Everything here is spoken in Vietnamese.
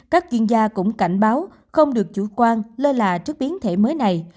các chuyên gia cũng cảnh báo không được chủ quan lơ là trước biến thể mới này